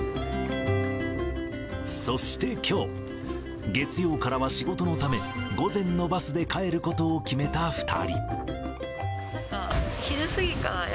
そしてきょう、月曜からは仕事のため、午前のバスで帰ることを決めた２人。